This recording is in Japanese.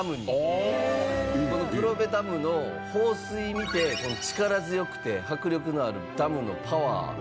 この黒部ダムの放水見て力強くて迫力のあるダムのパワー